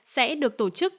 sẽ được tổ chức